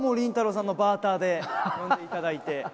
さんのバーターで呼んでいただいて。